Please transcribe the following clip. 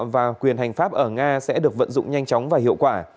và quyền hành pháp ở nga sẽ được vận dụng nhanh chóng và hiệu quả